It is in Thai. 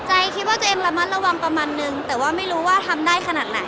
คิดว่าตัวเองระมัดระวังประมาณนึงแต่ว่าไม่รู้ว่าทำได้ขนาดไหน